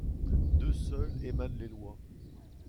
D'eux seuls émanent les lois.